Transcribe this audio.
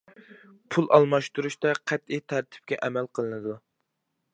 پۇل ئالماشتۇرۇشتا قەتئىي تەرتىپىگە ئەمەل قىلىنىدۇ.